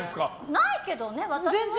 ないけどね、私も。